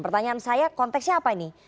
pertanyaan saya konteksnya apa ini